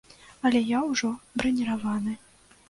Але я ўжо браніраваны.